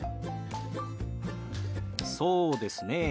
そうですねえ。